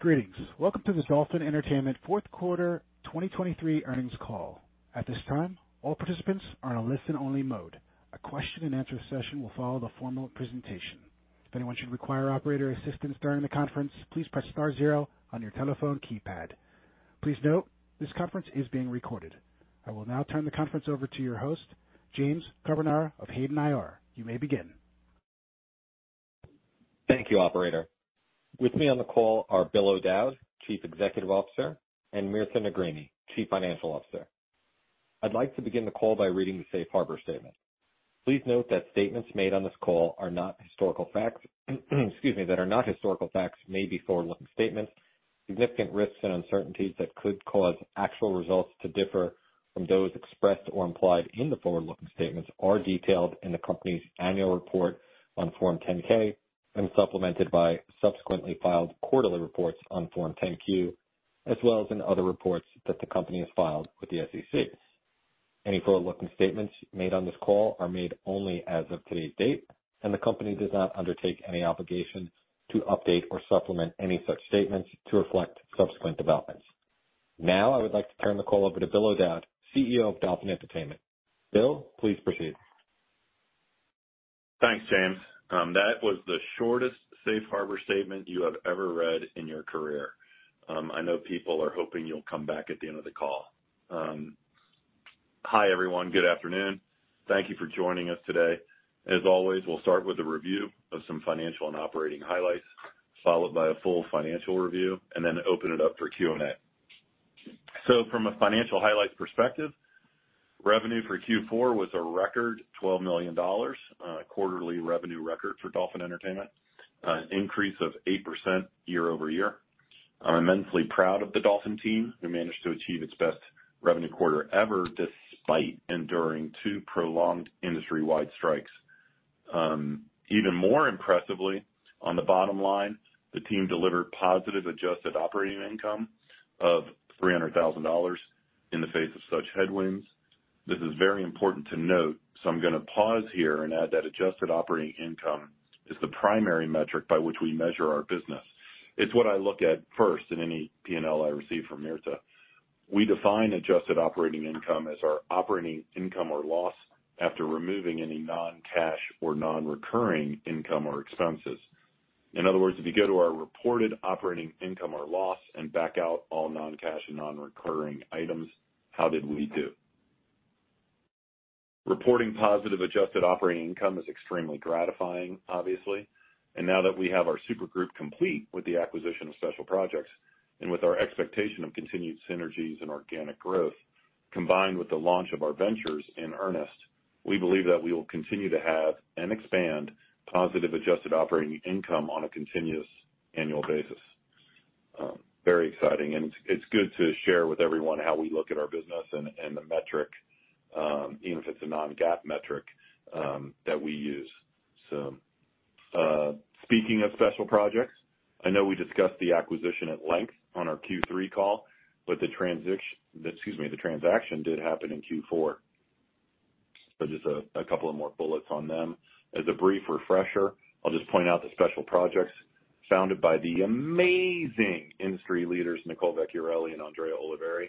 Greetings. Welcome to the Dolphin Entertainment fourth quarter 2023 earnings call. At this time, all participants are on a listen-only mode. A question and answer session will follow the formal presentation. If anyone should require operator assistance during the conference, please press star zero on your telephone keypad. Please note, this conference is being recorded. I will now turn the conference over to your host, James Carbonara of Hayden IR. You may begin. Thank you, operator. With me on the call are Bill O'Dowd, Chief Executive Officer, and Mirta Negrini, Chief Financial Officer. I'd like to begin the call by reading the Safe Harbor statement. Please note that statements made on this call are not historical facts, excuse me, that are not historical facts, may be forward-looking statements. Significant risks and uncertainties that could cause actual results to differ from those expressed or implied in the forward-looking statements are detailed in the company's annual report on Form 10-K and supplemented by subsequently filed quarterly reports on Form 10-Q, as well as in other reports that the company has filed with the SEC. Any forward-looking statements made on this call are made only as of today's date, and the company does not undertake any obligation to update or supplement any such statements to reflect subsequent developments. Now, I would like to turn the call over to Bill O'Dowd, CEO of Dolphin Entertainment. Bill, please proceed. Thanks, James. That was the shortest Safe Harbor statement you have ever read in your career. I know people are hoping you'll come back at the end of the call. Hi, everyone. Good afternoon. Thank you for joining us today. As always, we'll start with a review of some financial and operating highlights, followed by a full financial review and then open it up for Q&A. So from a financial highlights perspective, revenue for Q4 was a record $12 million, quarterly revenue record for Dolphin Entertainment, an increase of 8% year-over-year. I'm immensely proud of the Dolphin team, who managed to achieve its best revenue quarter ever, despite enduring two prolonged industry-wide strikes. Even more impressively, on the bottom line, the team delivered positive Adjusted Operating Income of $300,000 in the face of such headwinds. This is very important to note, so I'm going to pause here and add that adjusted operating income is the primary metric by which we measure our business. It's what I look at first in any P&L I receive from Mirta. We define adjusted operating income as our operating income or loss after removing any non-cash or non-recurring income or expenses. In other words, if you go to our reported operating income or loss and back out all non-cash and non-recurring items, how did we do? Reporting positive adjusted operating income is extremely gratifying, obviously, and now that we have our super group complete with the acquisition of Special Projects and with our expectation of continued synergies and organic growth, combined with the launch of our ventures in earnest, we believe that we will continue to have and expand positive adjusted operating income on a continuous annual basis. Very exciting, and it's good to share with everyone how we look at our business and the metric, even if it's a non-GAAP metric, that we use. So, speaking of Special Projects, I know we discussed the acquisition at length on our Q3 call, but the transaction did happen in Q4. So just a couple of more bullets on them. As a brief refresher, I'll just point out the Special Projects founded by the amazing industry leaders, Nicole Vecchiarelli and Andrea Oliveri,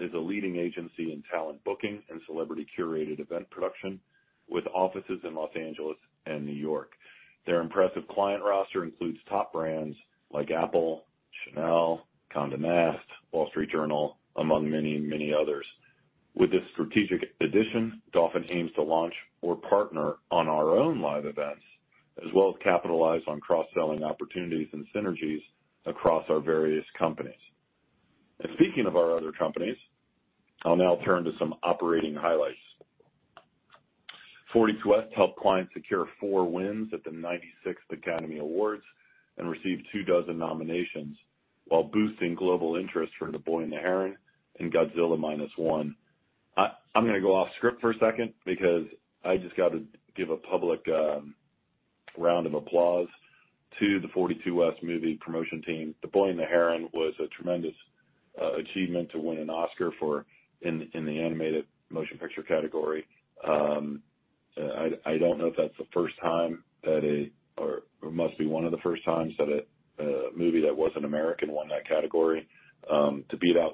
is a leading agency in talent booking and celebrity-curated event production, with offices in Los Angeles and New York. Their impressive client roster includes top brands like Apple, Chanel, Condé Nast, Wall Street Journal, among many, many others. With this strategic addition, Dolphin aims to launch or partner on our own live events, as well as capitalize on cross-selling opportunities and synergies across our various companies. Speaking of our other companies, I'll now turn to some operating highlights. 42West helped clients secure 4 wins at the 96th Academy Awards and received 24 nominations while boosting global interest for The Boy and the Heron and Godzilla Minus One. I'm going to go off script for a second because I just got to give a public round of applause to the 42West movie promotion team. The Boy and the Heron was a tremendous achievement to win an Oscar in the animated motion picture category. I don't know if that's the first time that a... or it must be one of the first times that a movie that wasn't American won that category. To beat out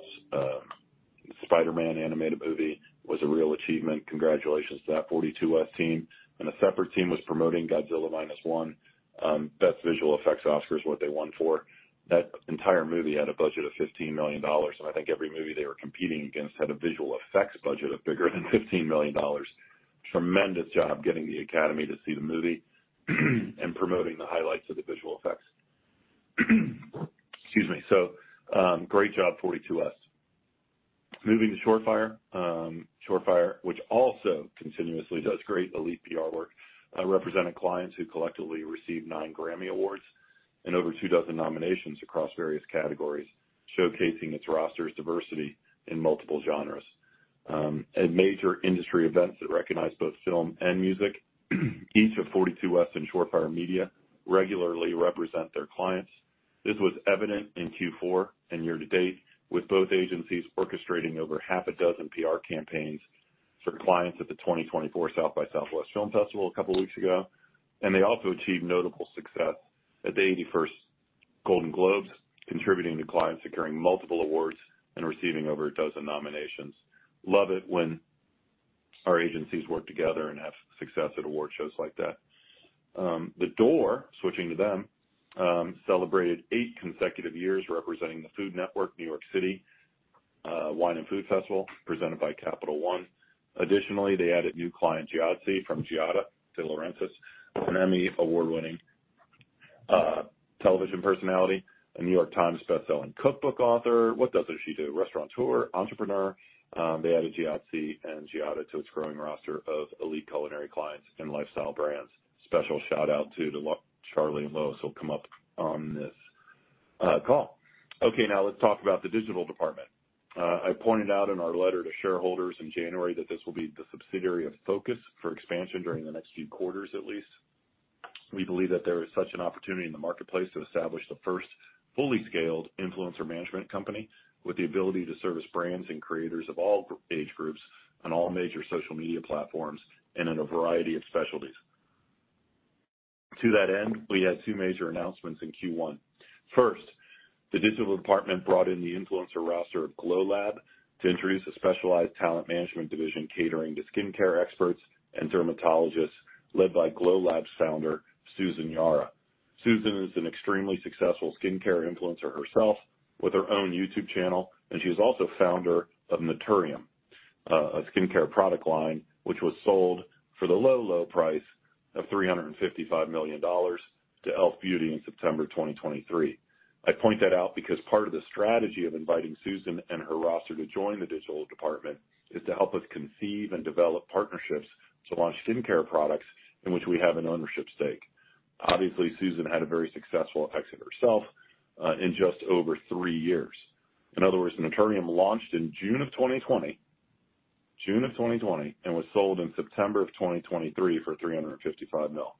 Spider-Man animated movie was a real achievement. Congratulations to that 42West team. And a separate team was promoting Godzilla Minus One. Best Visual Effects Oscar is what they won for. That entire movie had a budget of $15 million, and I think every movie they were competing against had a visual effects budget of bigger than $15 million. Tremendous job getting the Academy to see the movie and promoting the highlights of the visual effects. So, great job, 42West. Moving to Shore Fire. Shore Fire, which also continuously does great elite PR work, represented clients who collectively received nine Grammy Awards and over two dozen nominations across various categories, showcasing its roster's diversity in multiple genres. At major industry events that recognize both film and music, each of 42West and Shore Fire Media regularly represent their clients. This was evident in Q4 and year to date, with both agencies orchestrating over half a dozen PR campaigns for clients at the 2024 South by Southwest Film Festival a couple weeks ago, and they also achieved notable success at the 81st Golden Globes, contributing to clients securing multiple awards and receiving over a dozen nominations. Love it when our agencies work together and have success at award shows like that. The Door, switching to them, celebrated 8 consecutive years representing the Food Network New York City Wine and Food Festival, presented by Capital One. Additionally, they added new client, Giadzy, from Giada De Laurentiis, an Emmy award-winning television personality, a New York Times bestselling cookbook author. What doesn't she do? Restaurateur, entrepreneur. They added Giadzy and Giada to its growing roster of elite culinary clients and lifestyle brands. Special shout out to Charlie and Lois, who'll come up on this call. Okay, now let's talk about The Digital Department. I pointed out in our letter to shareholders in January that this will be the subsidiary of focus for expansion during the next few quarters, at least. We believe that there is such an opportunity in the marketplace to establish the first fully scaled influencer management company, with the ability to service brands and creators of all age groups on all major social media platforms and in a variety of specialties. To that end, we had two major announcements in Q1. First, The Digital Department brought in the influencer roster of Glow Lab to introduce a specialized talent management division catering to skincare experts and dermatologists, led by Glow Lab's founder, Susan Yara. Susan is an extremely successful skincare influencer herself, with her own YouTube channel, and she's also founder of Naturium, a skincare product line, which was sold for the low, low price of $355 million to e.l.f. Beauty in September 2023. I point that out because part of the strategy of inviting Susan and her roster to join The Digital Department is to help us conceive and develop partnerships to launch skincare products in which we have an ownership stake. Obviously, Susan had a very successful exit herself, in just over three years. In other words, Naturium launched in June of 2020, June of 2020, and was sold in September of 2023 for $355 million.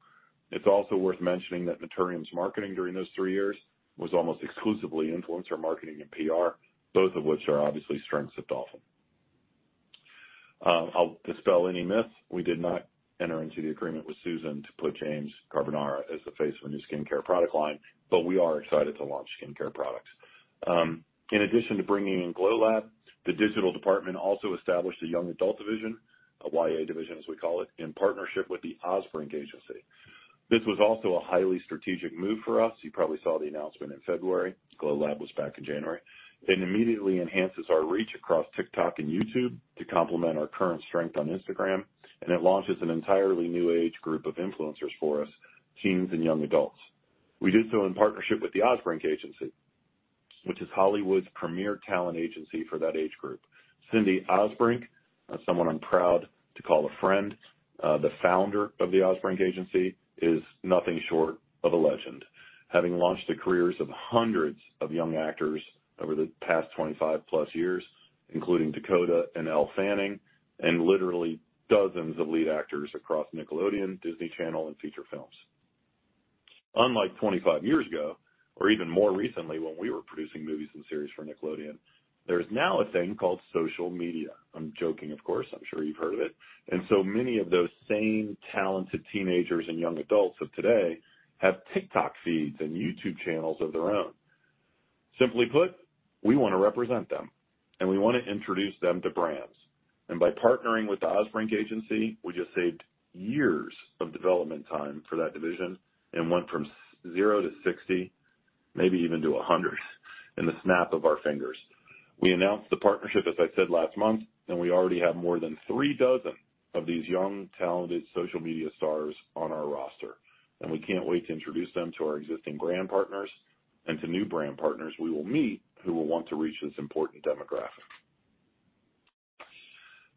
It's also worth mentioning that Naturium's marketing during those three years was almost exclusively influencer marketing and PR, both of which are obviously strengths of Dolphin. I'll dispel any myths. We did not enter into the agreement with Susan to put James Carbonara as the face of a new skincare product line, but we are excited to launch skincare products. In addition to bringing in Glow Lab, the Digital Department also established a young adult division, a YA division, as we call it, in partnership with the Osbrink Agency. This was also a highly strategic move for us. You probably saw the announcement in February. Glow Lab was back in January. It immediately enhances our reach across TikTok and YouTube to complement our current strength on Instagram, and it launches an entirely new age group of influencers for us, teens and young adults. We did so in partnership with the Osbrink Agency, which is Hollywood's premier talent agency for that age group. Cindy Osbrink, someone I'm proud to call a friend, the founder of the Osbrink Agency, is nothing short of a legend, having launched the careers of hundreds of young actors over the past 25+ years, including Dakota and Elle Fanning, and literally dozens of lead actors across Nickelodeon, Disney Channel, and feature films. Unlike 25 years ago, or even more recently, when we were producing movies and series for Nickelodeon, there is now a thing called social media. I'm joking, of course. I'm sure you've heard of it. And so many of those same talented teenagers and young adults of today have TikTok feeds and YouTube channels of their own. Simply put, we wanna represent them, and we wanna introduce them to brands. By partnering with the Osbrink Agency, we just saved years of development time for that division and went from zero to 60, maybe even to 100, in the snap of our fingers. We announced the partnership, as I said, last month, and we already have more than 36 of these young, talented social media stars on our roster, and we can't wait to introduce them to our existing brand partners and to new brand partners we will meet who will want to reach this important demographic.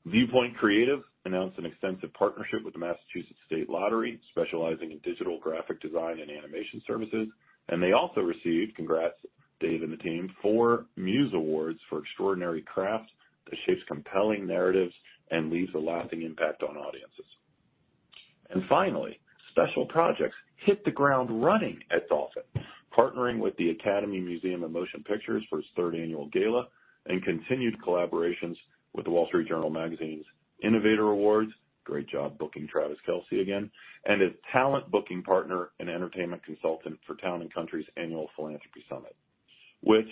Viewpoint Creative announced an extensive partnership with the Massachusetts State Lottery, specializing in digital graphic design and animation services, and they also received, congrats Dave and the team, 4 Muse Awards for extraordinary craft that shapes compelling narratives and leaves a lasting impact on audiences. Finally, Special Projects hit the ground running at Dolphin, partnering with the Academy Museum of Motion Pictures for its third annual gala and continued collaborations with The Wall Street Journal magazine's Innovator Awards. Great job booking Travis Kelce again, and a talent booking partner and entertainment consultant for Town & Country's annual Philanthropy Summit, which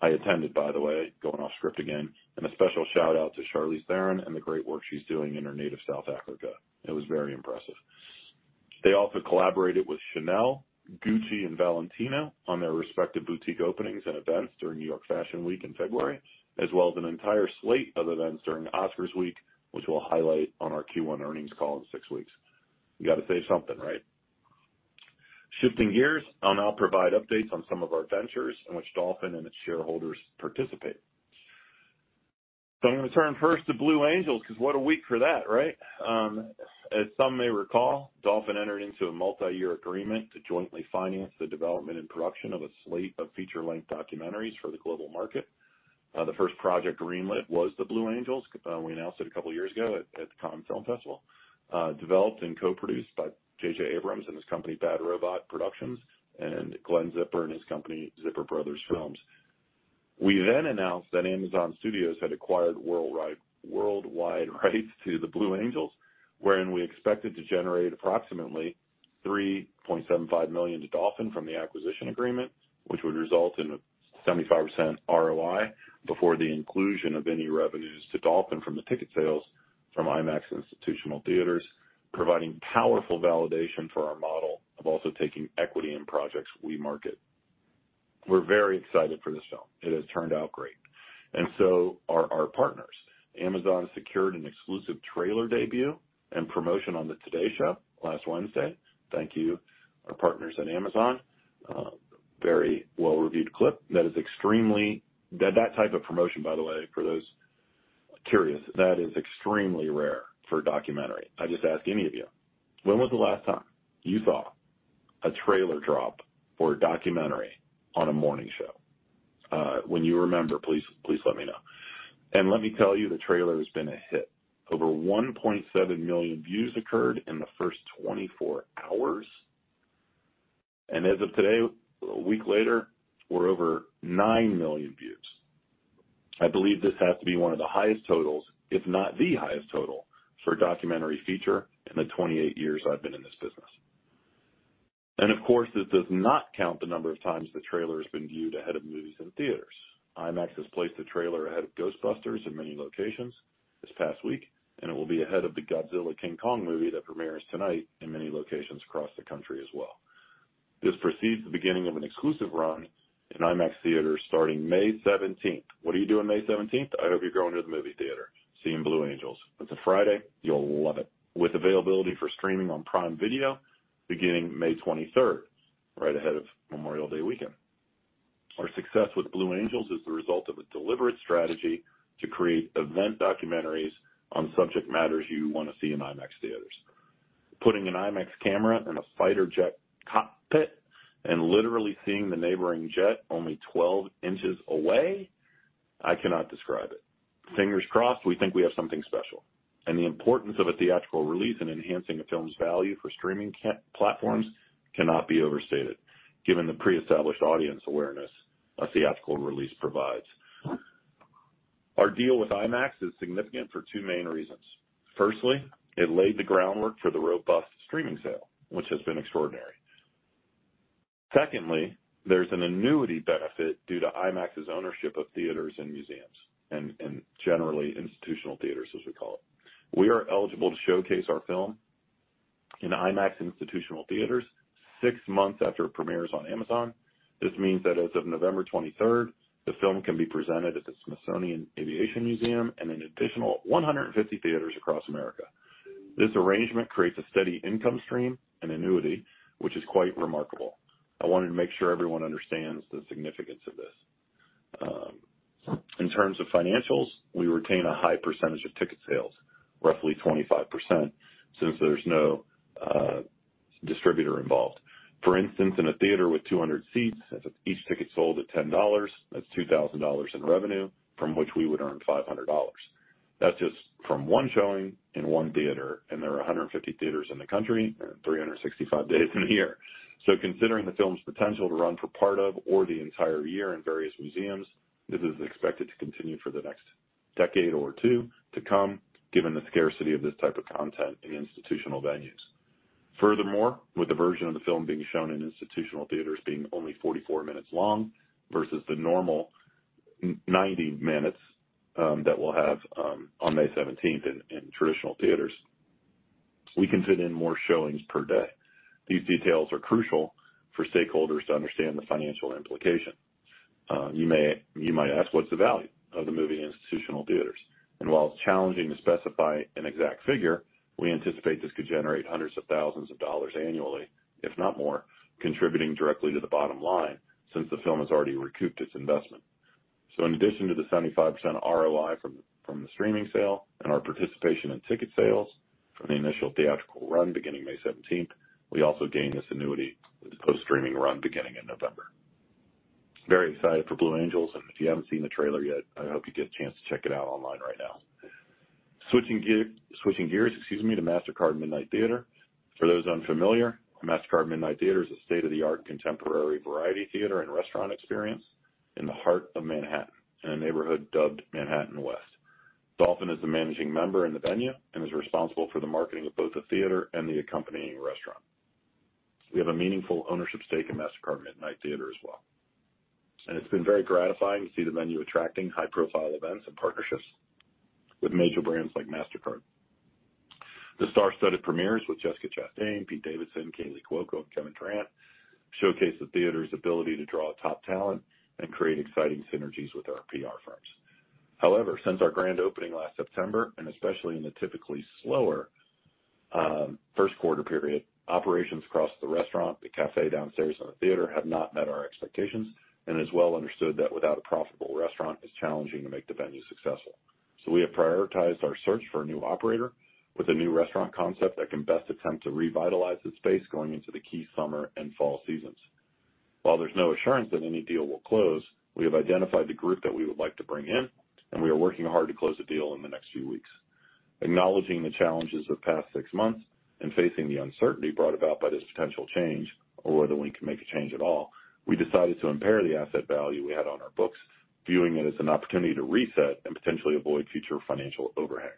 I attended, by the way, going off script again. A special shout out to Charlize Theron and the great work she's doing in her native South Africa. It was very impressive. They also collaborated with Chanel, Gucci, and Valentino on their respective boutique openings and events during New York Fashion Week in February, as well as an entire slate of events during Oscars week, which we'll highlight on our Q1 earnings call in six weeks. You got to say something, right? Shifting gears, I'll now provide updates on some of our ventures in which Dolphin and its shareholders participate. So I'm gonna turn first to Blue Angels, because what a week for that, right? As some may recall, Dolphin entered into a multiyear agreement to jointly finance the development and production of a slate of feature-length documentaries for the global market. The first project greenlit was the Blue Angels. We announced it a couple of years ago at the Cannes Film Festival. Developed and co-produced by J.J. Abrams and his company, Bad Robot Productions, and Glenn Zipper and his company, Zipper Brothers Films. We then announced that Amazon Studios had acquired worldwide rights to The Blue Angels, wherein we expected to generate approximately $3.75 million to Dolphin from the acquisition agreement, which would result in a 75% ROI before the inclusion of any revenues to Dolphin from the ticket sales from IMAX institutional theaters, providing powerful validation for our model of also taking equity in projects we market. We're very excited for this film. It has turned out great, and so are our partners. Amazon secured an exclusive trailer debut and promotion on The Today Show last Wednesday. Thank you, our partners at Amazon. Very well-reviewed clip. That type of promotion, by the way, for those curious, is extremely rare for a documentary. I just ask any of you, when was the last time you saw a trailer drop for a documentary on a morning show? When you remember, please, please let me know. And let me tell you, the trailer has been a hit. Over 1.7 million views occurred in the first 24 hours, and as of today, a week later, we're over 9 million views. I believe this has to be one of the highest totals, if not the highest total, for a documentary feature in the 28 years I've been in this business. And of course, this does not count the number of times the trailer has been viewed ahead of movies in theaters. IMAX has placed the trailer ahead of Ghostbusters in many locations this past week, and it will be ahead of the Godzilla King Kong movie that premieres tonight in many locations across the country as well. This precedes the beginning of an exclusive run in IMAX theaters starting May 17th. What are you doing May 17th? I hope you're going to the movie theater, seeing Blue Angels. It's a Friday. You'll love it. With availability for streaming on Prime Video beginning May 23rd, right ahead of Memorial Day weekend. Our success with Blue Angels is the result of a deliberate strategy to create event documentaries on subject matters you want to see in IMAX theaters. Putting an IMAX camera in a fighter jet cockpit and literally seeing the neighboring jet only 12 inches away, I cannot describe it. Fingers crossed, we think we have something special, and the importance of a theatrical release in enhancing a film's value for streaming platforms cannot be overstated, given the pre-established audience awareness a theatrical release provides. Our deal with IMAX is significant for two main reasons. Firstly, it laid the groundwork for the robust streaming sale, which has been extraordinary. Secondly, there's an annuity benefit due to IMAX's ownership of theaters and museums and generally institutional theaters, as we call it. We are eligible to showcase our film in IMAX institutional theaters six months after it premieres on Amazon. This means that as of November twenty-third, the film can be presented at the Smithsonian Aviation Museum and an additional 150 theaters across America. This arrangement creates a steady income stream and annuity, which is quite remarkable. I wanted to make sure everyone understands the significance of this. In terms of financials, we retain a high percentage of ticket sales, roughly 25%, since there's no distributor involved. For instance, in a theater with 200 seats, if each ticket is sold at $10, that's $2,000 in revenue from which we would earn $500. That's just from one showing in one theater, and there are 150 theaters in the country and 365 days in a year. So considering the film's potential to run for part of or the entire year in various museums, this is expected to continue for the next decade or two to come, given the scarcity of this type of content in institutional venues. Furthermore, with the version of the film being shown in institutional theaters being only 44 minutes long, versus the normal 90 minutes that we'll have on May seventeenth in traditional theaters, we can fit in more showings per day. These details are crucial for stakeholders to understand the financial implication. You may, you might ask, "What's the value of the movie in institutional theaters?" While it's challenging to specify an exact figure, we anticipate this could generate hundreds of thousands of dollars annually, if not more, contributing directly to the bottom line, since the film has already recouped its investment. In addition to the 75% ROI from the streaming sale and our participation in ticket sales from the initial theatrical run beginning May seventeenth, we also gain this annuity with the post-streaming run beginning in November. Very excited for Blue Angels, and if you haven't seen the trailer yet, I hope you get a chance to check it out online right now. Switching gears, excuse me, to Mastercard Midnight Theatre. For those unfamiliar, Mastercard Midnight Theatre is a state-of-the-art contemporary variety theater and restaurant experience in the heart of Manhattan, in a neighborhood dubbed Manhattan West. Dolphin is the managing member in the venue and is responsible for the marketing of both the theater and the accompanying restaurant. We have a meaningful ownership stake in Mastercard Midnight Theatre as well, and it's been very gratifying to see the venue attracting high-profile events and partnerships with major brands like Mastercard. The star-studded premieres with Jessica Chastain, Pete Davidson, Kaley Cuoco, and Kevin Durant showcase the theater's ability to draw top talent and create exciting synergies with our PR firms. However, since our grand opening last September, and especially in the typically slower, first quarter period, operations across the restaurant, the cafe downstairs, and the theater have not met our expectations, and it's well understood that without a profitable restaurant, it's challenging to make the venue successful. So we have prioritized our search for a new operator with a new restaurant concept that can best attempt to revitalize the space going into the key summer and fall seasons. While there's no assurance that any deal will close, we have identified the group that we would like to bring in, and we are working hard to close the deal in the next few weeks. Acknowledging the challenges of past six months and facing the uncertainty brought about by this potential change, or whether we can make a change at all, we decided to impair the asset value we had on our books, viewing it as an opportunity to reset and potentially avoid future financial overhangs.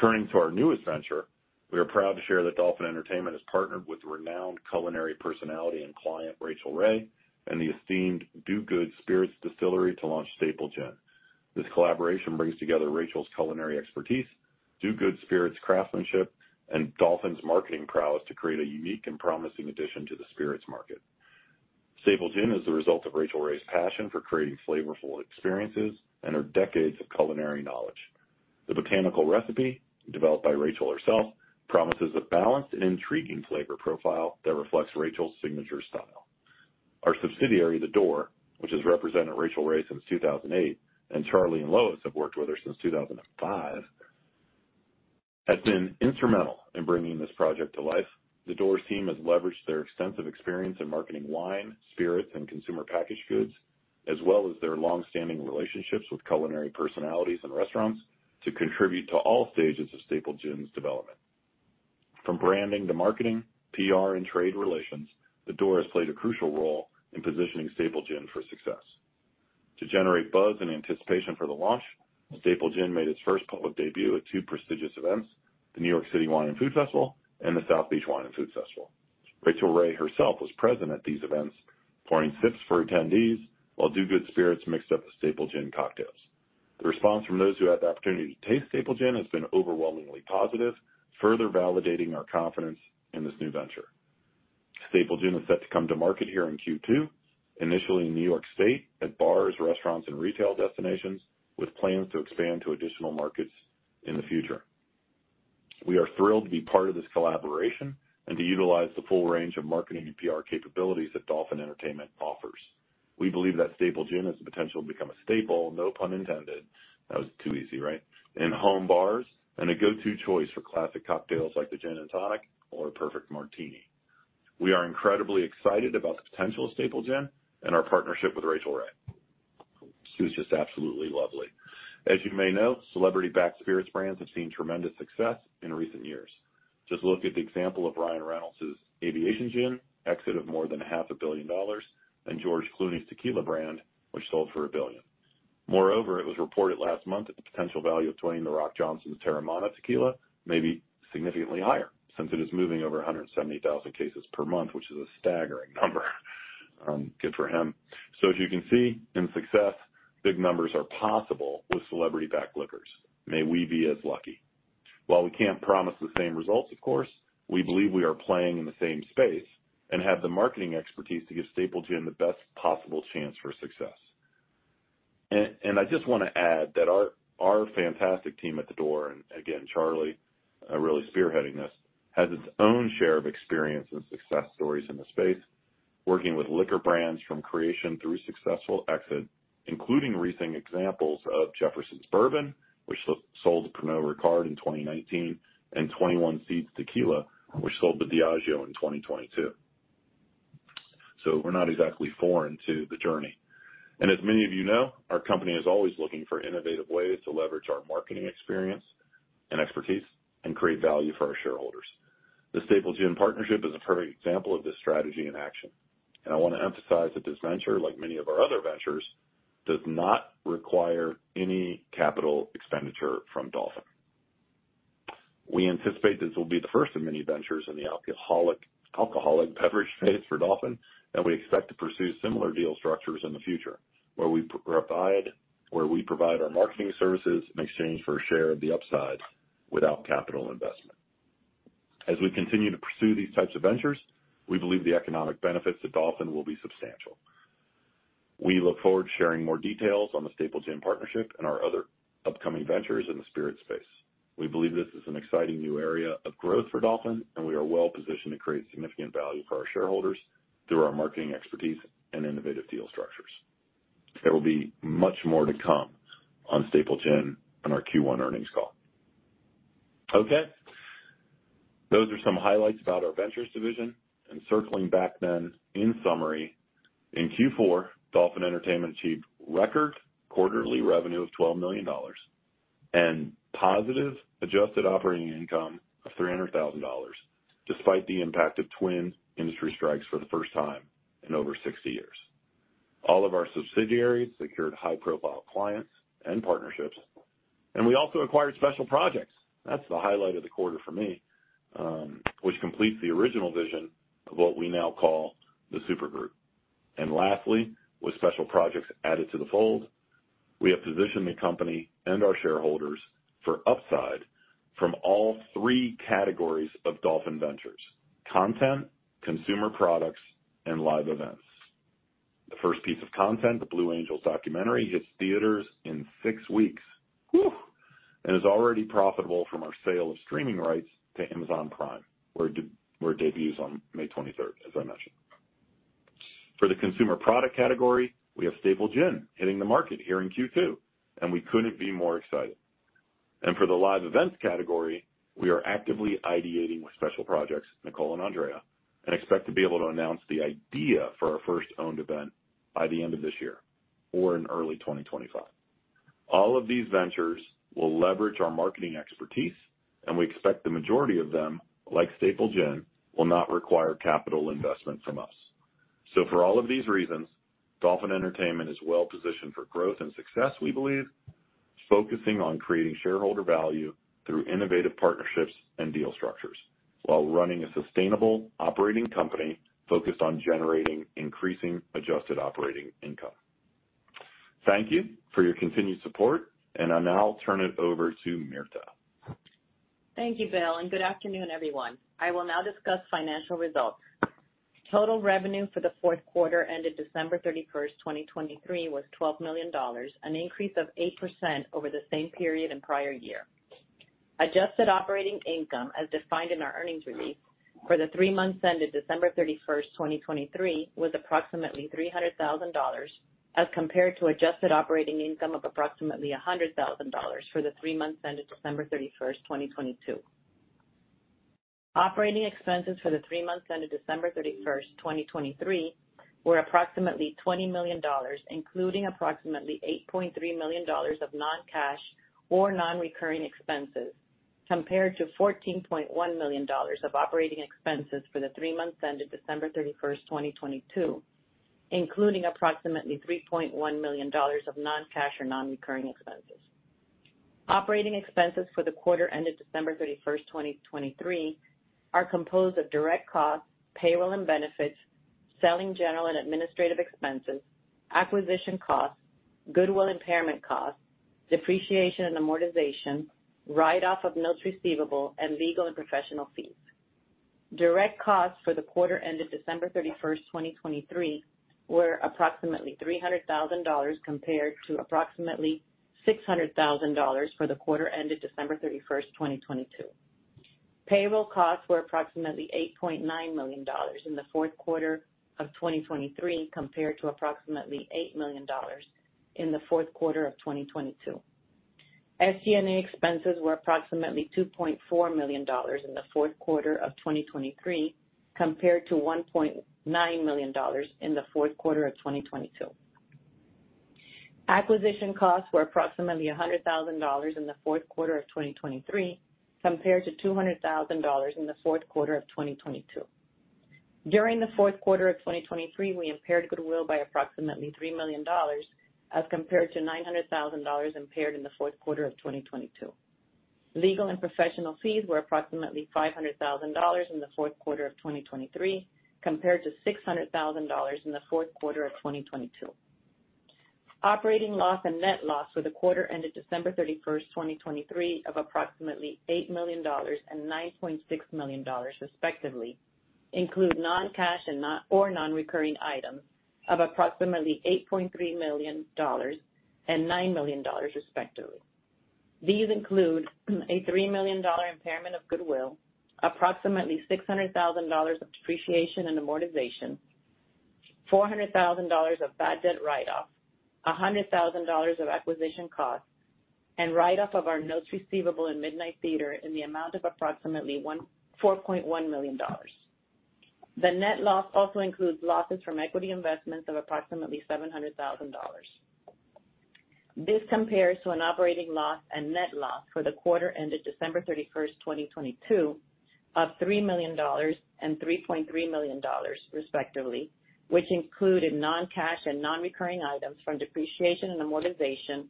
Turning to our newest venture, we are proud to share that Dolphin Entertainment has partnered with renowned culinary personality and client, Rachael Ray, and the esteemed Do Good Spirits Distillery to launch Staple Gin. This collaboration brings together Rachael's culinary expertise, Do Good Spirits craftsmanship, and Dolphin's marketing prowess to create a unique and promising addition to the spirits market. Staple Gin is the result of Rachael Ray's passion for creating flavorful experiences and her decades of culinary knowledge. The botanical recipe, developed by Rachael herself, promises a balanced and intriguing flavor profile that reflects Rachael's signature style. Our subsidiary, The Door, which has represented Rachael Ray since 2008, and Charlie and Lois, have worked with her since 2005, has been instrumental in bringing this project to life. The Door team has leveraged their extensive experience in marketing wine, spirits, and consumer packaged goods, as well as their long-standing relationships with culinary personalities and restaurants, to contribute to all stages of Staple Gin's development. From branding to marketing, PR and trade relations, The Door has played a crucial role in positioning Staple Gin for success. To generate buzz and anticipation for the launch, Staple Gin made its first public debut at two prestigious events, the New York City Wine and Food Festival and the South Beach Wine and Food Festival. Rachael Ray herself was present at these events, pouring sips for attendees, while Do Good Spirits mixed up the Staple Gin cocktails. The response from those who had the opportunity to taste Staple Gin has been overwhelmingly positive, further validating our confidence in this new venture. Staple Gin is set to come to market here in Q2, initially in New York State, at bars, restaurants, and retail destinations, with plans to expand to additional markets in the future. We are thrilled to be part of this collaboration and to utilize the full range of marketing and PR capabilities that Dolphin Entertainment offers. We believe that Staple Gin has the potential to become a staple, no pun intended, that was too easy, right? In home bars and a go-to choice for classic cocktails like the gin and tonic or a perfect martini. We are incredibly excited about the potential of Staple Gin and our partnership with Rachael Ray. She was just absolutely lovely. As you may know, celebrity-backed spirits brands have seen tremendous success in recent years. Just look at the example of Ryan Reynolds' Aviation Gin, exit of more than $500 million, and George Clooney's tequila brand, which sold for $1 billion. Moreover, it was reported last month that the potential value of Dwayne The Rock Johnson's Teremana Tequila may be significantly higher since it is moving over 170,000 cases per month, which is a staggering number. Good for him. So as you can see, in success, big numbers are possible with celebrity-backed liquors. May we be as lucky. While we can't promise the same results, of course, we believe we are playing in the same space and have the marketing expertise to give Staple Gin the best possible chance for success. I just wanna add that our fantastic team at The Door, and again, Charlie really spearheading this, has its own share of experience and success stories in the space, working with liquor brands from creation through successful exit, including recent examples of Jefferson's Bourbon, which sold to Pernod Ricard in 2019, and 21 Seeds Tequila, which sold to Diageo in 2022. So we're not exactly foreign to the journey. As many of you know, our company is always looking for innovative ways to leverage our marketing experience and expertise and create value for our shareholders. The Staple Gin partnership is a perfect example of this strategy in action, and I wanna emphasize that this venture, like many of our other ventures, does not require any capital expenditure from Dolphin. We anticipate this will be the first of many ventures in the alcoholic beverage space for Dolphin, and we expect to pursue similar deal structures in the future, where we provide our marketing services in exchange for a share of the upside without capital investment. As we continue to pursue these types of ventures, we believe the economic benefits to Dolphin will be substantial. We look forward to sharing more details on the Staple Gin partnership and our other upcoming ventures in the spirit space. We believe this is an exciting new area of growth for Dolphin, and we are well positioned to create significant value for our shareholders through our marketing expertise and innovative deal structures. There will be much more to come on Staple Gin on our Q1 earnings call. Okay, those are some highlights about our ventures division. Circling back then, in summary, in Q4, Dolphin Entertainment achieved record quarterly revenue of $12 million and positive Adjusted Operating Income of $300,000, despite the impact of twin industry strikes for the first time in over 60 years. All of our subsidiaries secured high-profile clients and partnerships, and we also acquired Special Projects. That's the highlight of the quarter for me, which completes the original vision of what we now call the super group. And lastly, with Special Projects added to the fold, we have positioned the company and our shareholders for upside from all three categories of Dolphin ventures: content, consumer products, and live events. The first piece of content, the Blue Angels documentary, hits theaters in 6 weeks, whoo, and is already profitable from our sale of streaming rights to Amazon Prime, where it debuts on May 23, as I mentioned. For the consumer product category, we have Staple Gin hitting the market here in Q2, and we couldn't be more excited. For the live events category, we are actively ideating with Special Projects, Nicole and Andrea, and expect to be able to announce the idea for our first owned event by the end of this year or in early 2025. All of these ventures will leverage our marketing expertise, and we expect the majority of them, like Staple Gin, will not require capital investment from us. So for all of these reasons, Dolphin Entertainment is well positioned for growth and success, we believe, focusing on creating shareholder value through innovative partnerships and deal structures, while running a sustainable operating company focused on generating increasing Adjusted Operating Income. Thank you for your continued support, and I'll now turn it over to Mirta. Thank you, Bill, and good afternoon, everyone. I will now discuss financial results. Total revenue for the fourth quarter ended December 31, 2023, was $12 million, an increase of 8% over the same period in prior year. Adjusted operating income, as defined in our earnings release for the three months ended December 31, 2023, was approximately $300 thousand, as compared to adjusted operating income of approximately $100 thousand for the three months ended December 31, 2022. Operating expenses for the three months ended December 31, 2023, were approximately $20 million, including approximately $8.3 million of non-cash or non-recurring expenses, compared to $14.1 million of operating expenses for the three months ended December 31, 2022, including approximately $3.1 million of non-cash or non-recurring expenses. Operating expenses for the quarter ended December 31, 2023, are composed of direct costs, payroll and benefits, selling, general and administrative expenses, acquisition costs, goodwill impairment costs, depreciation and amortization, write-off of notes receivable, and legal and professional fees. Direct costs for the quarter ended December 31, 2023, were approximately $300,000, compared to approximately $600,000 for the quarter ended December 31, 2022. Payroll costs were approximately $8.9 million in the fourth quarter of 2023, compared to approximately $8 million in the fourth quarter of 2022. SG&A expenses were approximately $2.4 million in the fourth quarter of 2023, compared to $1.9 million in the fourth quarter of 2022. Acquisition costs were approximately $100,000 in the fourth quarter of 2023, compared to $200,000 in the fourth quarter of 2022. During the fourth quarter of 2023, we impaired goodwill by approximately $3 million, as compared to $900,000 impaired in the fourth quarter of 2022. Legal and professional fees were approximately $500,000 in the fourth quarter of 2023, compared to $600,000 in the fourth quarter of 2022. Operating loss and net loss for the quarter ended December 31, 2023, of approximately $8 million and $9.6 million, respectively, include non-cash and non-recurring items of approximately $8.3 million and $9 million, respectively. These include a $3 million impairment of goodwill, approximately $600,000 of depreciation and amortization, $400,000 of bad debt write-off, $100,000 of acquisition costs, and write-off of our notes receivable in Midnight Theatre in the amount of approximately $4.1 million. The net loss also includes losses from equity investments of approximately $700,000. This compares to an operating loss and net loss for the quarter ended December 31, 2022, of $3 million and $3.3 million, respectively, which included non-cash and non-recurring items from depreciation and amortization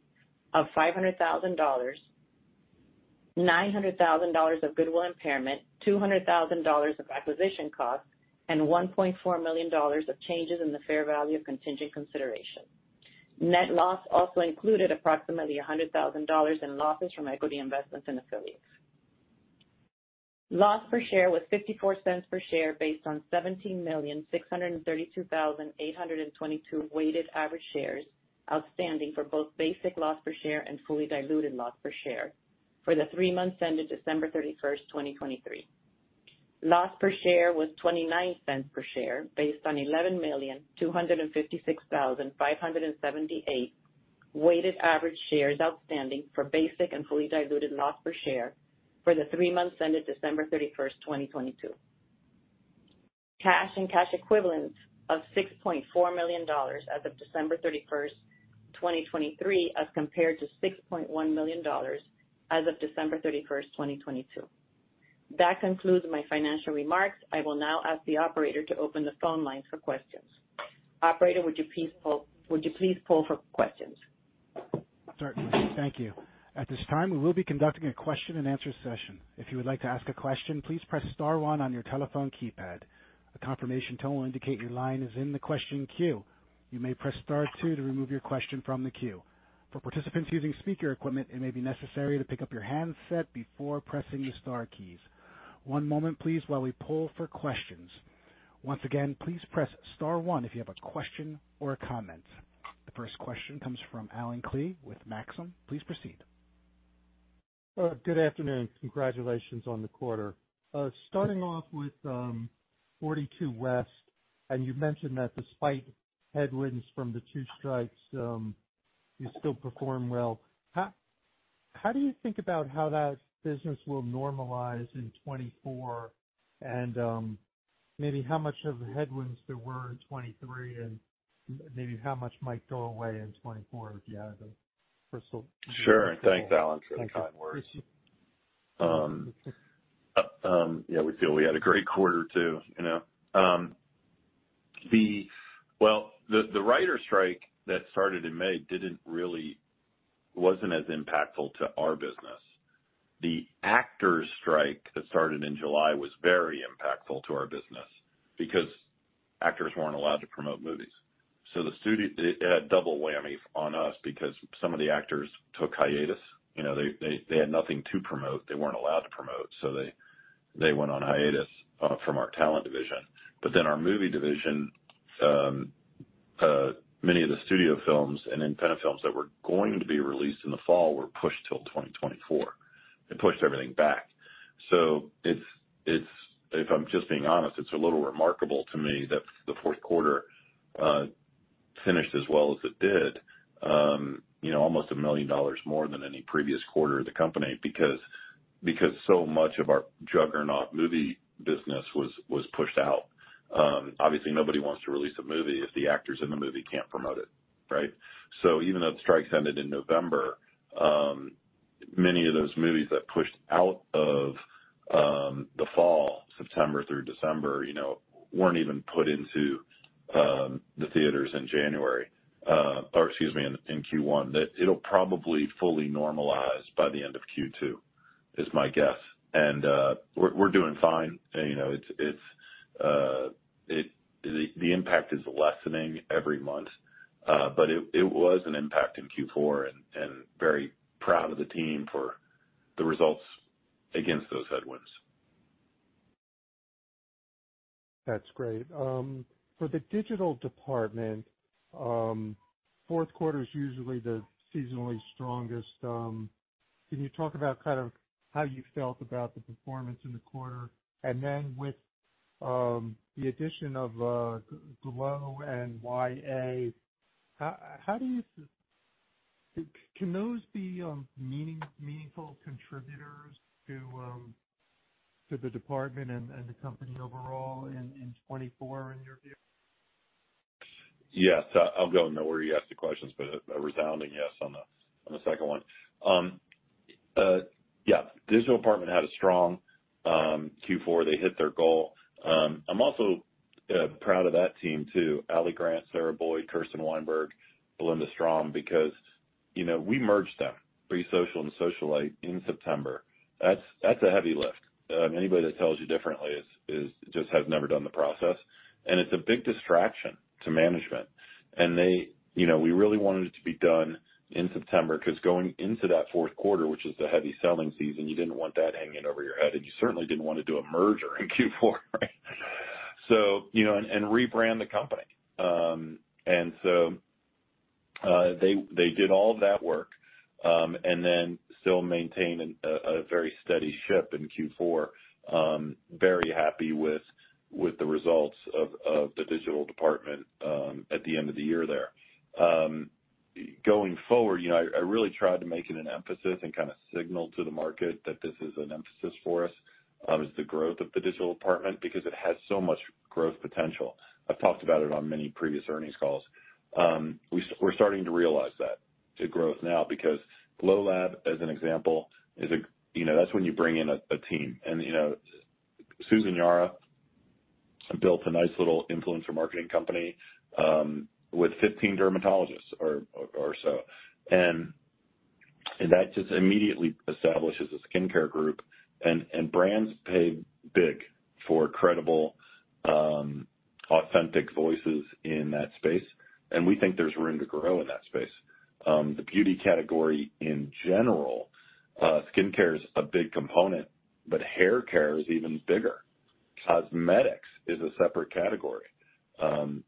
of $500,000, $900,000 of goodwill impairment, $200,000 of acquisition costs, and $1.4 million of changes in the fair value of contingent consideration. Net loss also included approximately $100,000 in losses from equity investments in affiliates. Loss per share was $0.54 per share, based on 17,632,822 weighted average shares outstanding for both basic loss per share and fully diluted loss per share for the three months ended December 31, 2023. Loss per share was $0.29 per share, based on 11,256,578 weighted average shares outstanding for basic and fully diluted loss per share for the three months ended December 31, 2022. Cash and cash equivalents of $6.4 million as of December 31, 2023, as compared to $6.1 million as of December 31, 2022. That concludes my financial remarks. I will now ask the operator to open the phone lines for questions. Operator, would you please poll, would you please poll for questions? Sure. Thank you. At this time, we will be conducting a question-and-answer session. If you would like to ask a question, please press star one on your telephone keypad. A confirmation tone will indicate your line is in the question queue. You may press star two to remove your question from the queue. For participants using speaker equipment, it may be necessary to pick up your handset before pressing the star keys. One moment, please, while we poll for questions. Once again, please press star one if you have a question or a comment. The first question comes from Alan Klee with Maxim. Please proceed. Good afternoon. Congratulations on the quarter. Starting off with 42West, and you mentioned that despite headwinds from the two strikes, you still performed well. How do you think about how that business will normalize in 2024? And, maybe how much of the headwinds there were in 2023, and maybe how much might go away in 2024, if you have the crystal? Sure. Thanks, Alan, for the kind words. Yeah, we feel we had a great quarter, too, you know? Well, the writer strike that started in May wasn't as impactful to our business. The actors strike that started in July was very impactful to our business because actors weren't allowed to promote movies. So the studio had double whammy on us because some of the actors took hiatus. You know, they had nothing to promote. They weren't allowed to promote, so they went on hiatus from our talent division. But then our movie division, many of the studio films and independent films that were going to be released in the fall were pushed till 2024. They pushed everything back. So it's if I'm just being honest, it's a little remarkable to me that the fourth quarter finished as well as it did, you know, almost $1 million more than any previous quarter of the company, because so much of our juggernaut movie business was pushed out. Obviously, nobody wants to release a movie if the actors in the movie can't promote it, right? So even though the strike ended in November, many of those movies that pushed out of the fall, September through December, you know, weren't even put into the theaters in January, or excuse me, in Q1. That it'll probably fully normalize by the end of Q2, is my guess. And we're doing fine. You know, the impact is lessening every month, but it was an impact in Q4, and very proud of the team for the results against those headwinds. That's great. For the Digital Department, fourth quarter is usually the seasonally strongest. Can you talk about kind of how you felt about the performance in the quarter, and then with the addition of Glow and YA, how do you see can those be meaningful contributors to the department and the company overall in 2024, in your view? Yes, I'll go in the order you asked the questions, but a resounding yes on the, on the second one. Yeah, Digital Department had a strong Q4. They hit their goal. I'm also proud of that team, too. Ali Grant, Sarah Boyd, Kirby Weinberg, Bollie Strom, because, you know, we merged them, Be Social and Socialyte, in September. That's a heavy lift. Anybody that tells you differently is just has never done the process, and it's a big distraction to management. And they, you know, we really wanted it to be done in September, because going into that fourth quarter, which is the heavy selling season, you didn't want that hanging over your head, and you certainly didn't want to do a merger in Q4, right? So, you know, and, and rebrand the company. They did all of that work and then still maintained a very steady ship in Q4. Very happy with the results of the Digital Department at the end of the year there. Going forward, you know, I really tried to make it an emphasis and kind of signal to the market that this is an emphasis for us, is the growth of the Digital Department, because it has so much growth potential. I've talked about it on many previous earnings calls. We're starting to realize that the growth now, because GlowLab, as an example, is a... You know, that's when you bring in a team, and you know, Susan Yara built a nice little influencer marketing company with 15 dermatologists or so. That just immediately establishes a skincare group, and brands pay big for credible, authentic voices in that space, and we think there's room to grow in that space. The beauty category in general, skincare is a big component, but haircare is even bigger. Cosmetics is a separate category,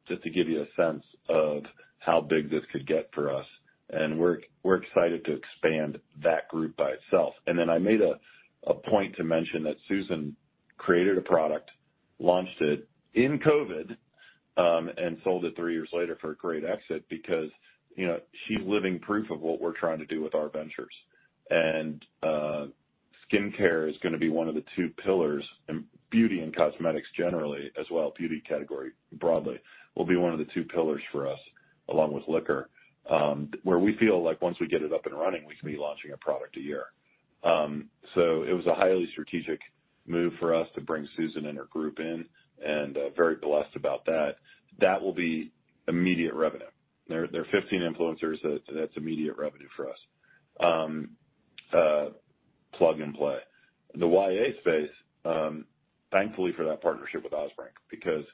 just to give you a sense of how big this could get for us, and we're excited to expand that group by itself. And then I made a point to mention that Susan created a product, launched it in COVID, and sold it three years later for a great exit because, you know, she's living proof of what we're trying to do with our ventures. Skincare is gonna be one of the two pillars, and beauty and cosmetics generally as well, beauty category broadly, will be one of the two pillars for us, along with liquor, where we feel like once we get it up and running, we can be launching a product a year. So it was a highly strategic move for us to bring Susan and her group in, and very blessed about that. That will be immediate revenue. There are 15 influencers, that's, that's immediate revenue for us. Plug and play. The YA space, thankfully for that partnership with Osbrink, because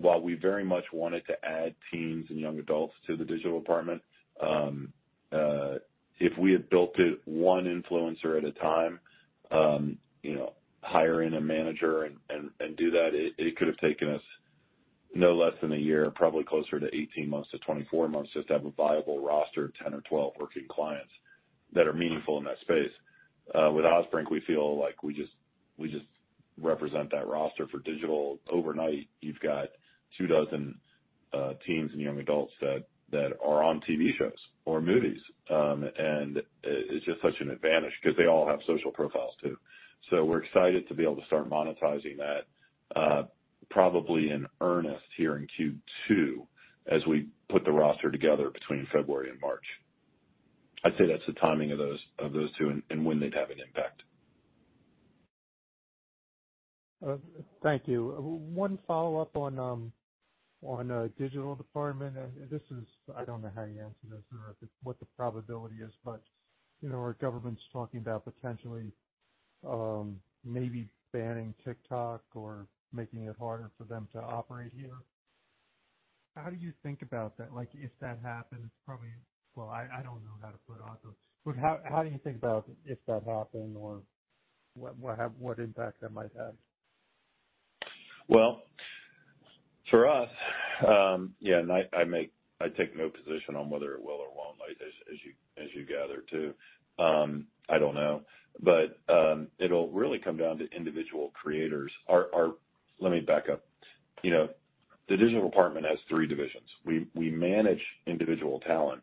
while we very much wanted to add teens and young adults to the Digital Department, if we had built it one influencer at a time, you know, hiring a manager and do that, it could have taken us no less than a year, probably closer to 18 months to 24 months, just to have a viable roster of 10 or 12 working clients that are meaningful in that space... With Osbrink, we feel like we just represent that roster for digital overnight. You've got 24 teens and young adults that are on TV shows or movies. And it's just such an advantage because they all have social profiles, too. We're excited to be able to start monetizing that, probably in earnest here in Q2, as we put the roster together between February and March. I'd say that's the timing of those two and when they'd have an impact. Thank you. One follow-up on Digital Department, and this is—I don't know how you answer this or if it's what the probability is, but you know, our government's talking about potentially maybe banning TikTok or making it harder for them to operate here. How do you think about that? Like, if that happens, probably... Well, I don't know how to put off of—But how do you think about if that happened or what impact that might have? Well, for us, and I take no position on whether it will or won't, as you gather, too. I don't know. But, it'll really come down to individual creators. Let me back up. You know, the Digital Department has three divisions. We manage individual talent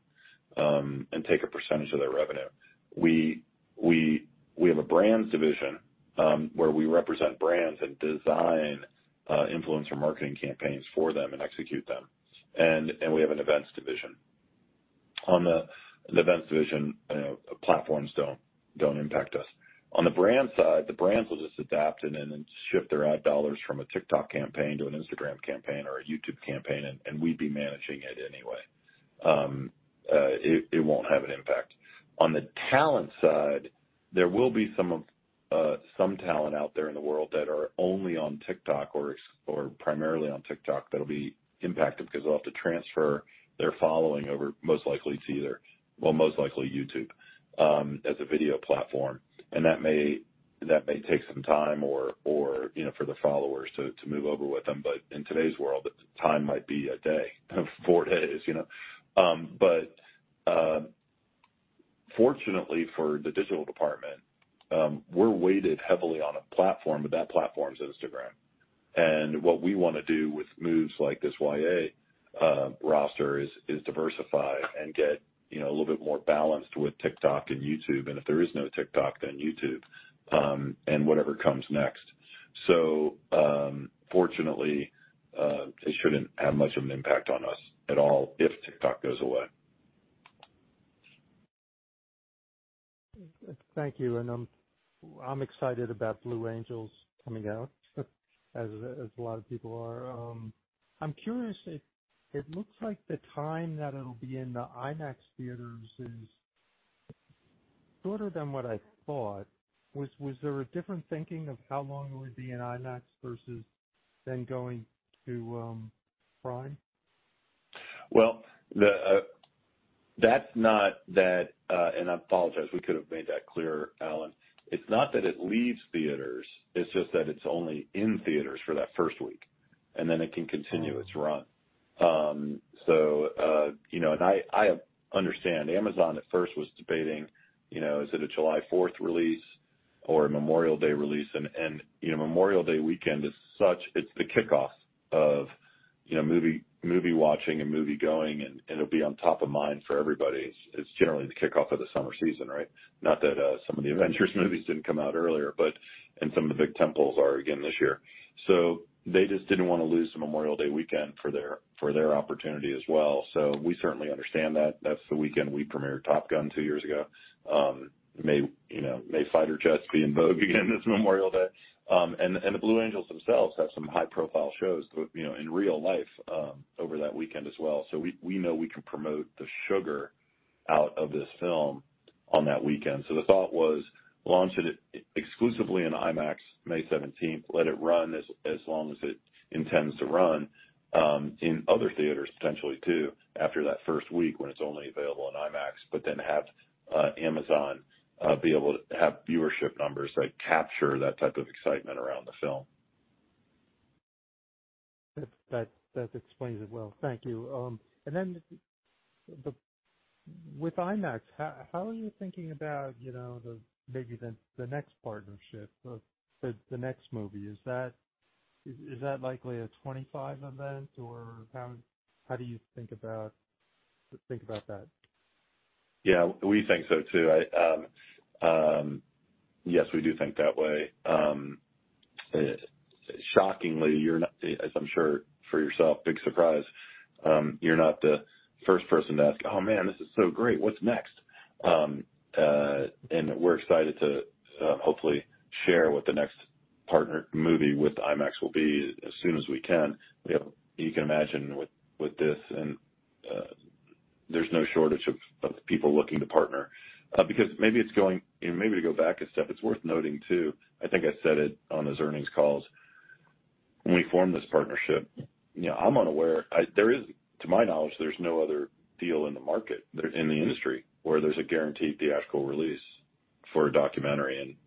and take a percentage of their revenue. We have a brands division, where we represent brands and design influencer marketing campaigns for them and execute them. And we have an events division. On the events division, platforms don't impact us. On the brand side, the brands will just adapt, and shift their ad dollars from a TikTok campaign to an Instagram campaign or a YouTube campaign, and we'd be managing it anyway. It won't have an impact. On the talent side, there will be some of some talent out there in the world that are only on TikTok or primarily on TikTok that'll be impacted because they'll have to transfer their following over, most likely, to most likely YouTube as a video platform. And that may take some time or, you know, for the followers to move over with them. But in today's world, time might be a day, 4 days, you know? But fortunately for the Digital Department, we're weighted heavily on a platform, but that platform is Instagram. And what we wanna do with moves like this YA roster is diversify and get, you know, a little bit more balanced with TikTok and YouTube. And if there is no TikTok, then YouTube and whatever comes next. Fortunately, it shouldn't have much of an impact on us at all if TikTok goes away. Thank you. And I'm excited about Blue Angels coming out, as a lot of people are. I'm curious if it looks like the time that it'll be in the IMAX theaters is shorter than what I thought. Was there a different thinking of how long it would be in IMAX versus then going to Prime? Well, that's not that, and I apologize, we could have made that clearer, Alan. It's not that it leaves theaters, it's just that it's only in theaters for that first week, and then it can continue its run. So, you know, and I understand. Amazon at first was debating, you know, is it a July fourth release or a Memorial Day release? And, you know, Memorial Day weekend is such, it's the kickoff of, you know, movie watching and moviegoing, and it'll be on top of mind for everybody. It's generally the kickoff of the summer season, right? Not that some of the Avengers movies didn't come out earlier, but and some of the big tentpoles are again this year. So they just didn't want to lose the Memorial Day weekend for their opportunity as well. So we certainly understand that. That's the weekend we premiered Top Gun two years ago. You know, may fighter jets be in vogue again this Memorial Day. And the Blue Angels themselves have some high-profile shows, you know, in real life, over that weekend as well. So we know we can promote the sugar out of this film on that weekend. So the thought was: launch it exclusively in IMAX, May seventeenth, let it run as long as it intends to run, in other theaters, potentially, too, after that first week, when it's only available in IMAX, but then have Amazon be able to have viewership numbers that capture that type of excitement around the film. That explains it well. Thank you. And then, with IMAX, how are you thinking about, you know, maybe the next partnership of the next movie? Is that likely a 25 event, or how do you think about that? Yeah, we think so, too. I, yes, we do think that way. Shockingly, you're not, as I'm sure for yourself, big surprise, you're not the first person to ask, "Oh, man, this is so great. What's next?" And we're excited to, hopefully share what the next partner movie with IMAX will be as soon as we can. You know, you can imagine with, with this and, there's no shortage of, of people looking to partner. Because maybe it's going... And maybe to go back a step, it's worth noting, too, I think I said it on his earnings calls. When we formed this partnership, you know, I'm unaware- I- there is- to my knowledge, there's no other deal in the market, there in the industry, where there's a guaranteed theatrical release for a documentary.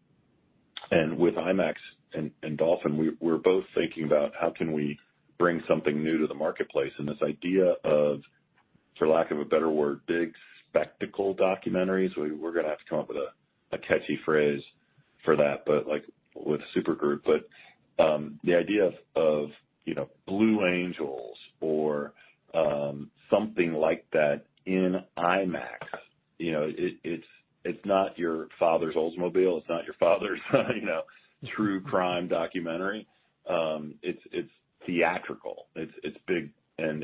And with IMAX and Dolphin, we're both thinking about how can we bring something new to the marketplace? And this idea of, for lack of a better word, big spectacle documentaries, we're gonna have to come up with a catchy phrase for that, but like with Supergroup. But the idea of, you know, Blue Angels or something like that in IMAX, you know, it's not your father's Oldsmobile, it's not your father's, you know, true crime documentary. It's theatrical, it's big, and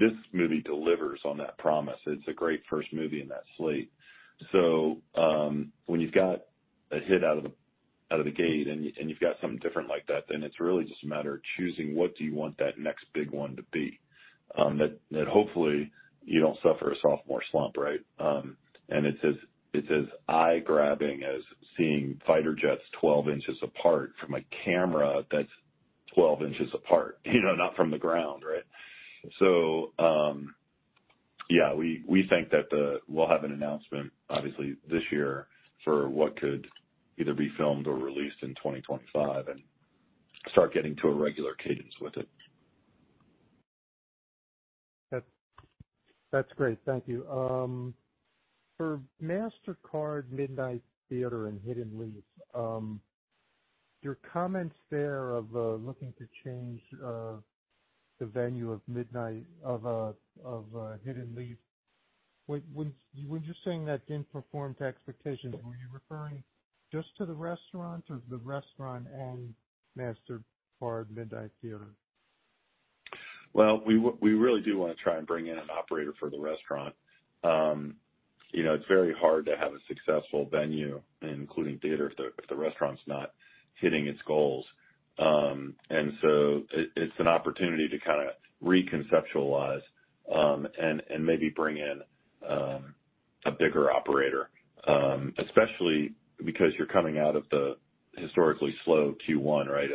this movie delivers on that promise. It's a great first movie in that slate. So, when you've got a hit out of the gate and you've got something different like that, then it's really just a matter of choosing, what do you want that next big one to be? That hopefully you don't suffer a sophomore slump, right? And it's as eye-grabbing as seeing fighter jets 12 inches apart from a camera that's 12 inches apart, you know, not from the ground, right? So, we think that we'll have an announcement, obviously, this year for what could either be filmed or released in 2025 and start getting to a regular cadence with it. That's, that's great. Thank you. For Mastercard Midnight Theatre and Hidden Leaf, your comments there of looking to change the venue of Midnight of Hidden Leaf. When you're saying that didn't perform to expectation, were you referring just to the restaurant or the restaurant and Mastercard Midnight Theatre? Well, we really do wanna try and bring in an operator for the restaurant. You know, it's very hard to have a successful venue, including theater, if the restaurant's not hitting its goals. And so it's an opportunity to kind of reconceptualize and maybe bring in a bigger operator. Especially because you're coming out of the historically slow Q1, right?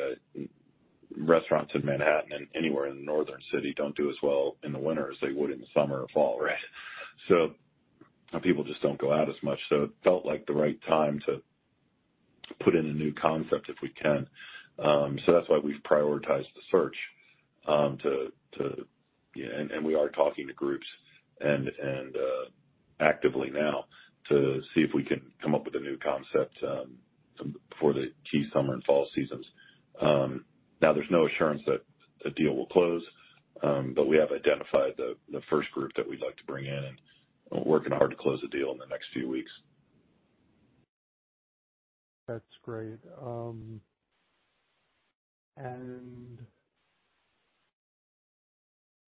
Restaurants in Manhattan and anywhere in the northern city don't do as well in the winter as they would in the summer or fall, right? So people just don't go out as much. So it felt like the right time to put in a new concept, if we can. So that's why we've prioritized the search to... We are talking to groups and actively now to see if we can come up with a new concept for the key summer and fall seasons. Now there's no assurance that a deal will close, but we have identified the first group that we'd like to bring in, and we're working hard to close the deal in the next few weeks. That's great.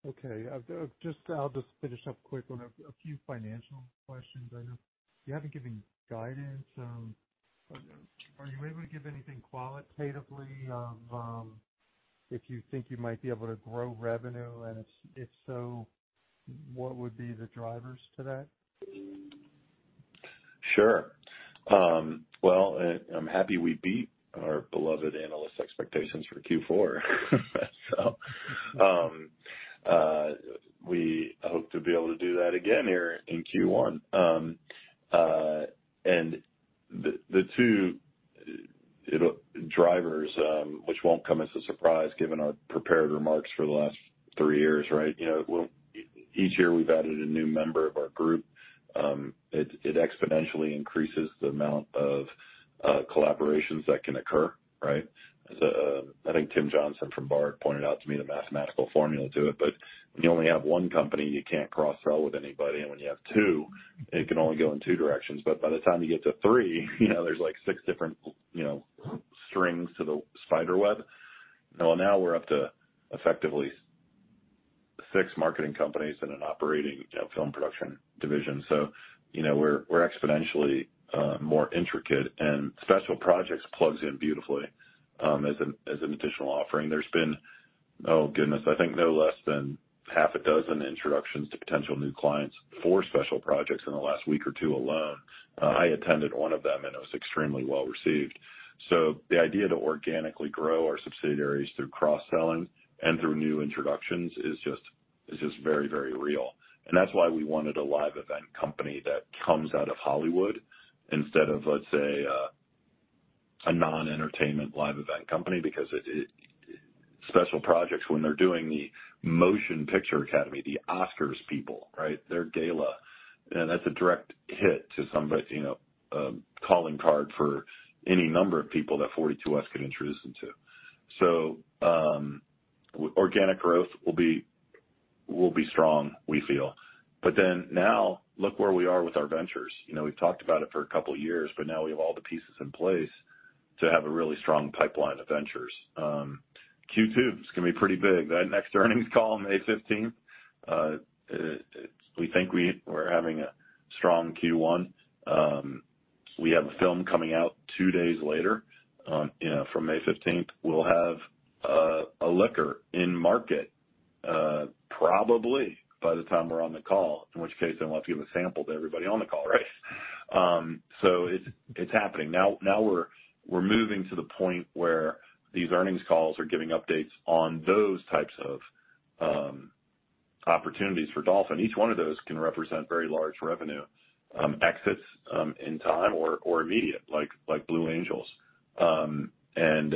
Okay, I'll just finish up quick on a few financial questions. I know you haven't given guidance, but are you able to give anything qualitatively of if you think you might be able to grow revenue? And if so, what would be the drivers to that? Sure. Well, I'm happy we beat our beloved analyst expectations for Q4. So, we hope to be able to do that again here in Q1. And the two drivers, which won't come as a surprise, given our prepared remarks for the last three years, right? You know, well, each year we've added a new member of our group. It exponentially increases the amount of collaborations that can occur, right? As, I think Tim Johnson from Baird pointed out to me the mathematical formula to it, but when you only have one company, you can't cross-sell with anybody, and when you have two, it can only go in two directions. But by the time you get to three, you know, there's like six different, you know, strings to the spiderweb. Well, now we're up to effectively six marketing companies in an operating, you know, film production division. So, you know, we're exponentially more intricate and Special Projects plugs in beautifully, as an additional offering. There's been, oh, goodness, I think no less than half a dozen introductions to potential new clients for Special Projects in the last week or two alone. I attended one of them, and it was extremely well received. So the idea to organically grow our subsidiaries through cross-selling and through new introductions is just very, very real. And that's why we wanted a live event company that comes out of Hollywood instead of, let's say, a non-entertainment live event company, because it Special Projects, when they're doing the Motion Picture Academy, the Oscars people, right? Their gala, and that's a direct hit to somebody, you know, a calling card for any number of people that 42West could introduce them to. So, organic growth will be, will be strong, we feel. But then now look where we are with our ventures. You know, we've talked about it for a couple of years, but now we have all the pieces in place to have a really strong pipeline of ventures. Q2 is gonna be pretty big. That next earnings call on May fifteenth, we think we were having a strong Q1. We have a film coming out two days later, you know, from May fifteenth. We'll have a liquor in market, probably by the time we're on the call, in which case, I want to give a sample to everybody on the call, right? So it's happening. Now we're moving to the point where these earnings calls are giving updates on those types of opportunities for Dolphin. Each one of those can represent very large revenue exits in time or immediate, like Blue Angels. And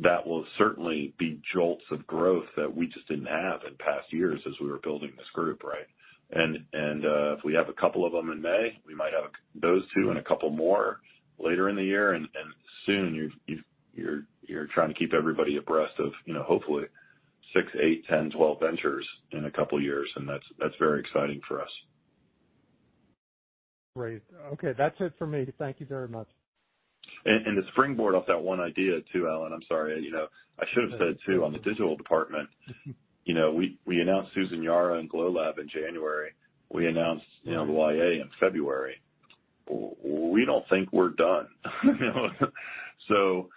that will certainly be jolts of growth that we just didn't have in past years as we were building this group, right? And if we have a couple of them in May, we might have those two and a couple more later in the year. And soon you're trying to keep everybody abreast of, you know, hopefully 6, 8, 10, 12 ventures in a couple of years, and that's very exciting for us. Great. Okay, that's it for me. Thank you very much. To springboard off that one idea too, Alan, I'm sorry. You know, I should have said, too, on the Digital Department, you know, we announced Susan Yara and Glow Lab in January. We announced, you know, The YA in February. We don't think we're done. So,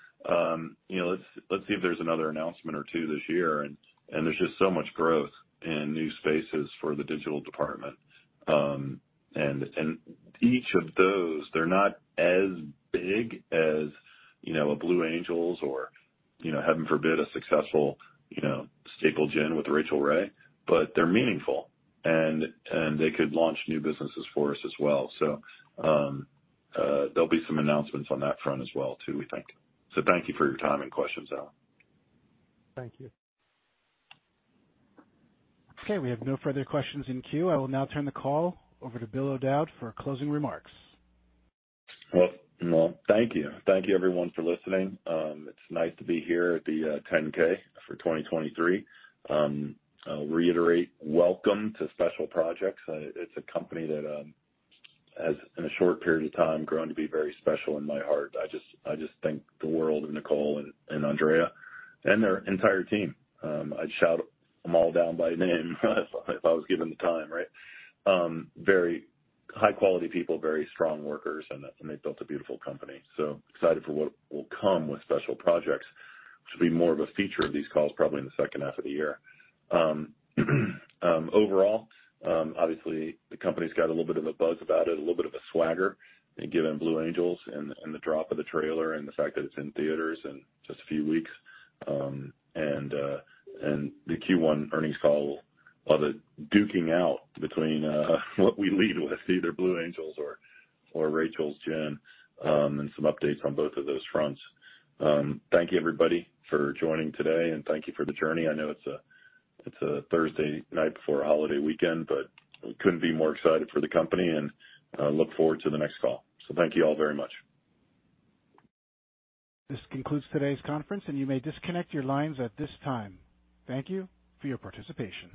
you know, let's see if there's another announcement or two this year, and there's just so much growth in new spaces for the Digital Department. And each of those, they're not as big as, you know, a Blue Angels or, you know, heaven forbid, a successful, you know, Staple Gin with Rachael Ray, but they're meaningful, and they could launch new businesses for us as well. So, there'll be some announcements on that front as well, too, we think. So thank you for your time and questions, Alan. Thank you. Okay, we have no further questions in queue. I will now turn the call over to Bill O'Dowd for closing remarks. Well, no, thank you. Thank you, everyone, for listening. It's nice to be here at the 10-K for 2023. I'll reiterate, welcome to Special Projects. It's a company that has, in a short period of time, grown to be very special in my heart. I just, I just think the world of Nicole and Andrea and their entire team. I'd shout them all down by name if I was given the time, right? Very high-quality people, very strong workers, and they've built a beautiful company. So excited for what will come with Special Projects, which will be more of a feature of these calls, probably in the second half of the year. Overall, obviously, the company's got a little bit of a buzz about it, a little bit of a swagger, given Blue Angels and the drop of the trailer and the fact that it's in theaters in just a few weeks. And the Q1 earnings call of a duking out between what we lead with, either Blue Angels or Rachael's gin, and some updates on both of those fronts. Thank you, everybody, for joining today, and thank you for the journey. I know it's a Thursday night before a holiday weekend, but we couldn't be more excited for the company, and look forward to the next call. So thank you all very much. This concludes today's conference, and you may disconnect your lines at this time. Thank you for your participation.